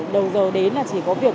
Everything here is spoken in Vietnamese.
đầu giờ đến là chỉ có việc